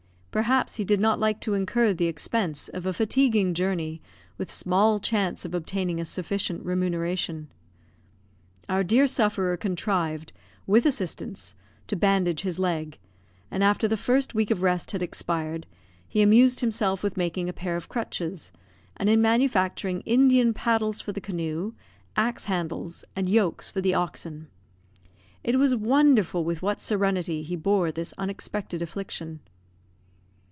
Perhaps he did not like to incur the expense of a fatiguing journey with small chance of obtaining a sufficient remuneration. Our dear sufferer contrived, with assistance, to bandage his leg; and after the first week of rest had expired, he amused himself with making a pair of crutches, and in manufacturing Indian paddles for the canoe, axe handles, and yokes for the oxen. It was wonderful with what serenity he bore this unexpected affliction.